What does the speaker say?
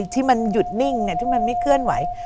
ที่มันหยุดนิ่งที่มันไม่เคลื่อนไหว